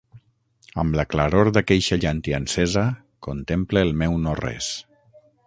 Amb la claror d'aqueixa llàntia encesa contemple el meu no-res.